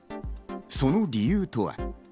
その理由とは？